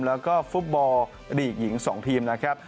แล้วก็ฟุตบอลลีกหญิง๒ทีมนะครับ